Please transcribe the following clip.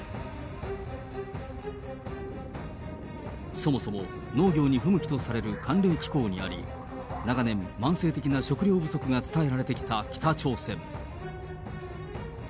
そもそも農業に不向きとされる寒冷気候にあり、長年、慢性的な食糧不足が伝えられてきた北朝鮮。